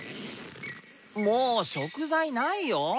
もう食材ないよー。